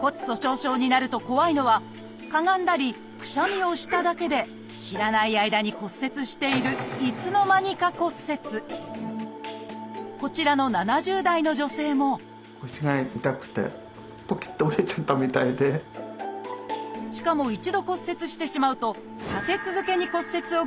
骨粗しょう症になると怖いのはかがんだりくしゃみをしただけで知らない間に骨折しているこちらの７０代の女性もしかも一度骨折してしまうと立て続けに骨折を繰り返すことも。